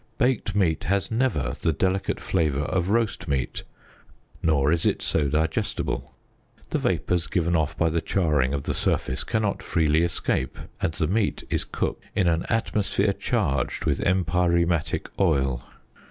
Baked meat has never the delicate flavour of roast meat, nor is it so digestible. The vapours given off by the charring of the surface cannot freely escape, and the meat is cooked in an atmosphere charged with empyreumatic oil.